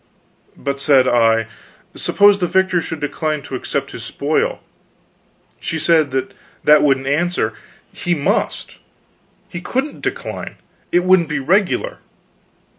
But, said I, suppose the victor should decline to accept his spoil? She said that that wouldn't answer he must. He couldn't decline; it wouldn't be regular.